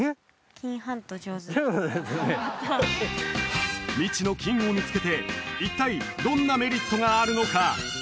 やった未知の菌を見つけて一体どんなメリットがあるのか？